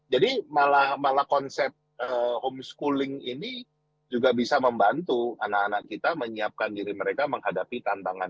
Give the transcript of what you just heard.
malah konsep homeschooling ini juga bisa membantu anak anak kita menyiapkan diri mereka menghadapi tantangan